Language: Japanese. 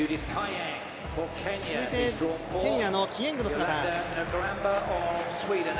続いてケニアのキエングの姿。